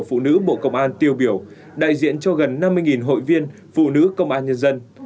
phụ nữ bộ công an tiêu biểu đại diện cho gần năm mươi hội viên phụ nữ công an nhân dân